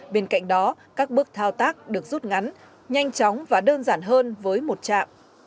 bên cạnh đó các bước thao tác được rút ngắn nhanh chóng và đơn giản hơn với một trạm